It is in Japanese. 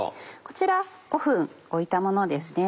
こちら５分おいたものですね。